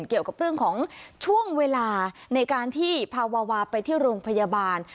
เกี่ยวกับเรื่องของช่วงเวลาในการที่พาวาวาไปที่โรงพยาบาล